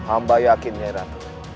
amba yakin nyerah